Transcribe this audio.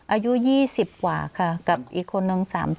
อายุ๒๐กว่าค่ะกับอีกคนนึง๓๐